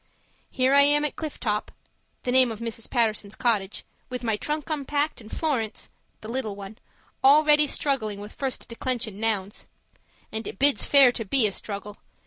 Here I am at Cliff Top (the name of Mrs. Paterson's cottage) with my trunk unpacked and Florence (the little one) already struggling with first declension nouns. And it bids fair to be a struggle!